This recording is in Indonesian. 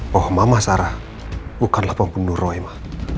bahwa mama sarah bukanlah pembunuh roy ma